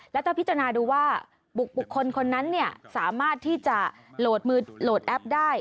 แล้วต้องพิจารณาดูว่าบุกคนคนนั้นสามารถที่จะโหลดแอปได้